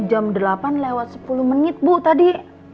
jam delapan lewat sepuluh menit bu tadi